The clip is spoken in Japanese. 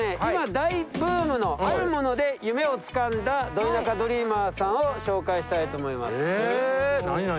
今大ブームのあるもので夢をつかんだド田舎ドリーマーさんを紹介したいと思いますえ何？